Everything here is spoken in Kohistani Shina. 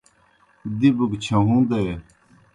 دِبوْ گہ چھہُون٘دے۔